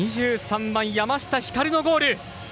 ２３番、山下光のゴール。